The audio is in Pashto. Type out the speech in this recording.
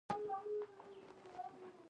په درېیم کې نور عام وګړي شامل وو.